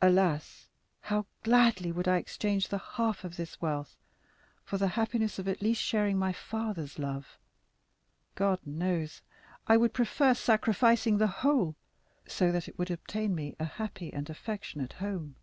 Alas, how gladly would I exchange the half of this wealth for the happiness of at least sharing my father's love. God knows, I would prefer sacrificing the whole, so that it would obtain me a happy and affectionate home."